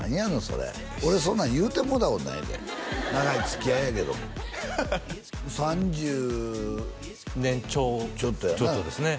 それ俺そんなん言うてもろたことないで長いつきあいやけどもハハハハ３０年ちょっとですね